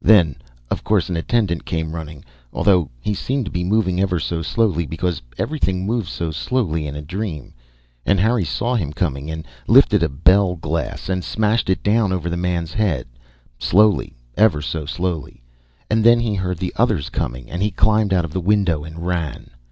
Then, of course, an attendant came running (although he seemed to be moving ever so slowly, because everything moves so slowly in a dream) and Harry saw him coming and lifted a bell glass and smashed it down over the man's head (slowly, ever so slowly) and then he heard the others coming and he climbed out of the window and ran.